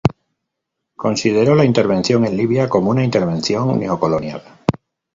Consideró la intervención en Libia como una intervención neocolonial.